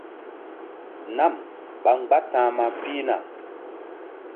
Nam ɓa mgbáta̧hma pihna.